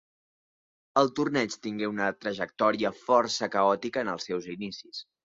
El torneig tingué una trajectòria força caòtica en els seus inicis.